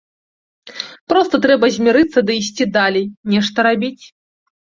Проста трэба змірыцца ды ісці далей, нешта рабіць.